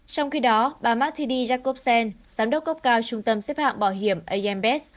trong khi đó bà martini jacobsen giám đốc cốc cao trung tâm xếp hạng bảo hiểm ambes